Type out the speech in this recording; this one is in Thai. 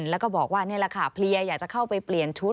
แล้วก็บอกว่านี่แหละค่ะเพลียอยากจะเข้าไปเปลี่ยนชุด